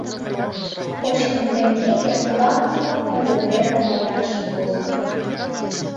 Кочкын теммеке, тугак нимом ойлыде, каналташ возо.